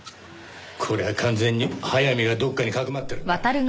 こりゃ完全に早見がどこかにかくまってるな。